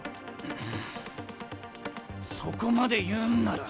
うんそこまで言うんなら。